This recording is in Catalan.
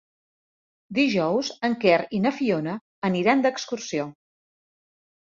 Dijous en Quer i na Fiona aniran d'excursió.